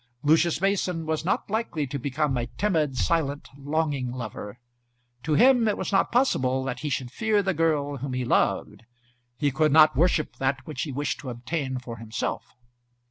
Lucius Mason was not likely to become a timid, silent, longing lover. To him it was not possible that he should fear the girl whom he loved. He could not worship that which he wished to obtain for himself.